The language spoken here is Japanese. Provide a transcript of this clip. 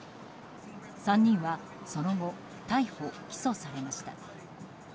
３人はその後逮捕・起訴されました。